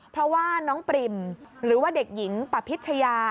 เพราะว่าน้องปริมหรือว่าเด็กหญิงปพิชยา